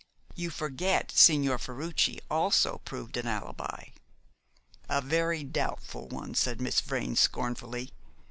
"You forget Signor Ferruci also proved an alibi." "A very doubtful one," said Miss Vrain scornfully.